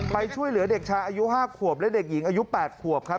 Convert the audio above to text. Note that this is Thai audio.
ไปช่วยเหลือเด็กชายอายุ๕ขวบและเด็กหญิงอายุ๘ขวบครับ